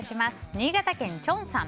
新潟県の方。